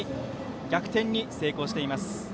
逆転に成功しています。